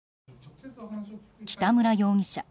北村容疑者